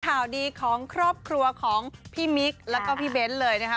ข่าวดีของครอบครัวของพี่มิ๊กแล้วก็พี่เบ้นเลยนะคะ